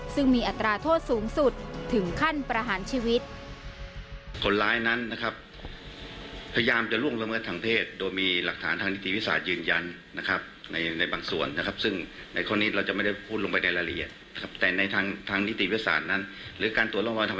ซึ่งมีอัตราโทษสูงสุดถึงขั้นประหารชีวิต